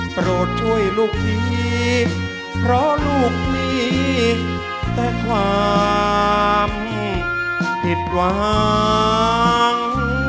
โปรดช่วยลูกทีเพราะลูกมีแต่ความผิดหวัง